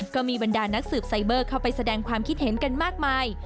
ก็มีบรรดานักสืบไซเบอร์เข้าไปแสดงความคิดเห็นกันมากมาย